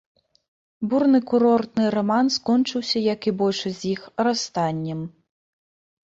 Бурны курортны раман скончыўся, як і большасць з іх, расстаннем.